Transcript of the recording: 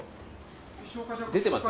出てます？